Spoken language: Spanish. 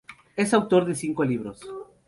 Es autor de cinco libros.